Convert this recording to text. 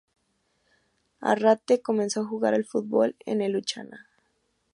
Arrate comenzó a jugar al fútbol en el Luchana.